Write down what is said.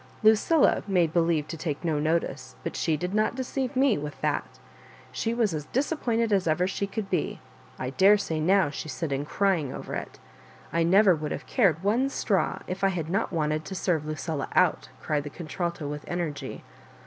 Lucilla made believe to take no notice, but she did not deceive me with that She was as dis appointed as ever she could be— I daresay now she's sitting crying over it I never would have cared one straw if I had not wanted to serve Lucilla out I" cried the contralto with energy.